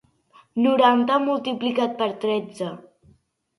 Noranta multiplicat per tretze.